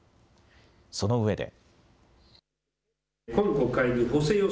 そのうえで。